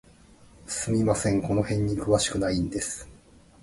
すみません、この辺に詳しくないんです。